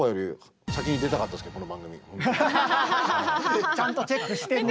できればちゃんとチェックしてんな。